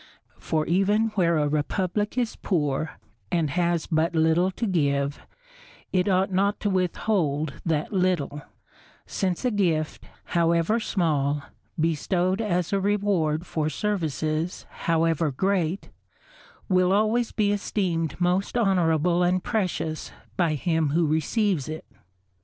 For even where a republic is poor, and has but little to give, it ought not to withhold that little; since a gift, however small, bestowed as a reward for services however great, will always be esteemed most honourable and precious by him who receives it.